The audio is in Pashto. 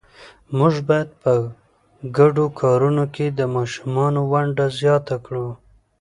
موږ باید په ګډو کارونو کې د ماشومانو ونډه زیات کړو